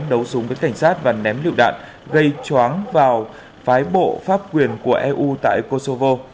đấu súng với cảnh sát và ném lựu đạn gây choáng vào phái bộ pháp quyền của eu tại kosovo